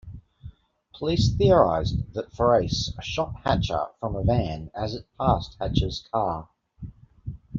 Police theorized that Farace shot Hatcher from a van as it passed Hatcher's car.